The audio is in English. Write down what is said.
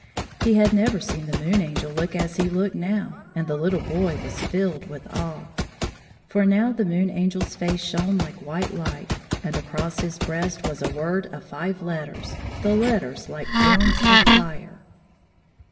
He had never seen the Moon Angel look as he looked now, and the Uttle boy was filled with awe. For now the Moon AngePs face shone like white light, and across his breast was a word of five letters, the letters like forms of fire.